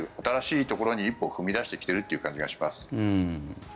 新しいところに一歩踏み出してきているという感じがします。